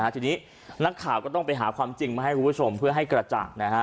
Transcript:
ทีนี้นักข่าวก็ต้องไปหาความจริงมาให้คุณผู้ชมเพื่อให้กระจ่าง